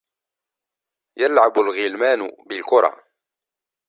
يَلْعَبُ الْغِلْمَانُ بِالْكُرَةِ.